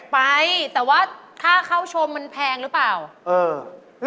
ไปแต่ว่าค่าเข้าชมมันแพงหรือเปล่า